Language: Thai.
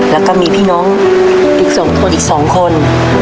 แล้วก็มีพี่น้องอีก๒คน